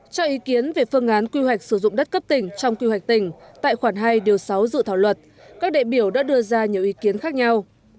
cho ý kiến về phương án quy hoạch sử dụng đất cấp tỉnh trong quy hoạch tỉnh tại khoản hai điều sáu dự thảo luật các đệ biểu đã đưa ra nhiều ý kiến khác nhau